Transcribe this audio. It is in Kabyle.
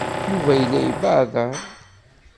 Yuba yella yebbeɛder.